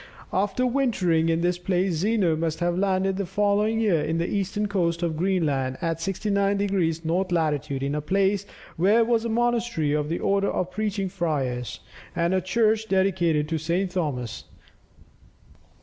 After wintering in this place Zeno must have landed the following year on the eastern coast of Greenland at 69 degrees north latitude, in a place "where was a monastery of the order of preaching friars, and a church dedicated to St. Thomas.